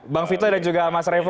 bang vito dan juga mas revo